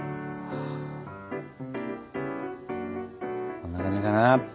こんな感じかな。